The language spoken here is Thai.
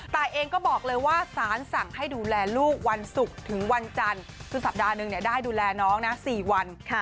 แต่เองก็บอกเลยว่าสารสั่งให้ดูแลลูกวันศุกร์ถึงวันจันทร์คือสัปดาห์หนึ่งได้ดูแลน้องนะ๔วัน